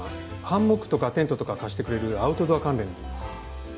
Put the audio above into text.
ハンモックとかテントとか貸してくれるアウトドア関連の。